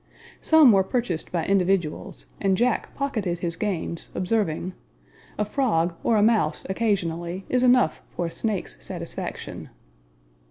Some were purchased by individuals, and Jack pocketed his gains, observing, "A frog, or a mouse, occasionally, is enough for a snake's satisfaction."